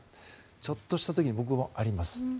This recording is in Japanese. ちょっとした時に僕もあります。